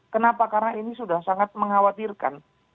kenapa karena ini sudah sangat mengkhawatirkan